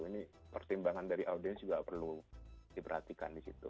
ini pertimbangan dari audiens juga perlu diperhatikan di situ